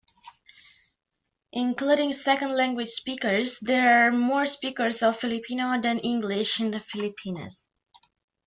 Including second-language speakers, there are more speakers of Filipino than English in the Philippines.